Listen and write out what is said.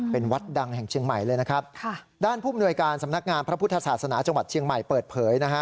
เป็นวัดดังแห่งเชียงใหม่เลยนะครับค่ะด้านผู้มนวยการสำนักงานพระพุทธศาสนาจังหวัดเชียงใหม่เปิดเผยนะฮะ